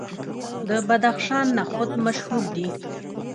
د بدخشان نخود مشهور دي.